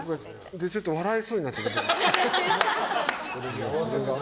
で、ちょっと笑いそうになっちゃって、僕が。